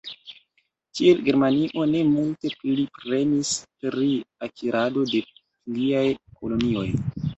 Tiel Germanio ne multe pli premis pri akirado de pliaj kolonioj.